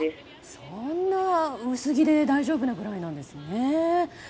そんな薄着で大丈夫なくらいなんですね。